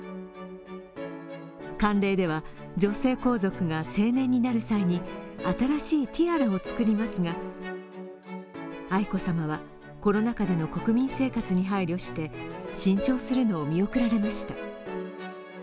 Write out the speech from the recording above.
慣例では女性皇族が成年になる際に新しいティアラを作りますが、愛子さまはコロナ禍での国民生活に配慮して新調するのを見送られました。